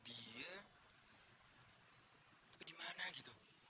tapi dimana gitu